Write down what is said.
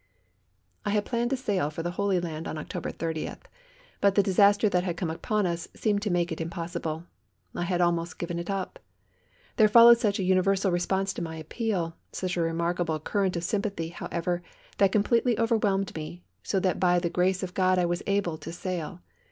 I had planned to sail for the Holy Land on October 30, but the disaster that had come upon us seemed to make it impossible. I had almost given it up. There followed such an universal response to my appeal, such a remarkable current of sympathy, however, that completely overwhelmed me, so that by the grace of God I was able to sail.